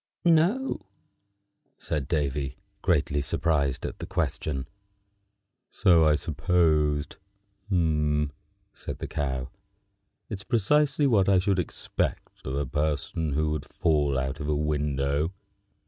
"No," said Davy, greatly surprised at the question. "So I supposed," said the Cow. "It's precisely what I should expect of a person who would fall out of a window."